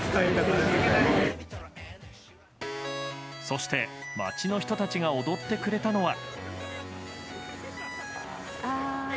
そして、街の人たちが踊ってくれたのは。